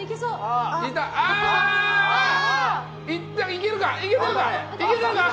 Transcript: いけるか？